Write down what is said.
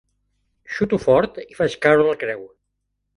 Xuto fort i faig caure la creu.